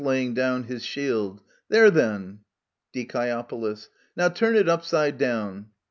{laying down his shield). There, then ! Die. Now turn it upside down.